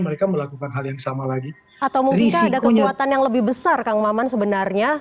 mereka melakukan hal yang sama lagi atau mungkinkah ada kekuatan yang lebih besar kang maman sebenarnya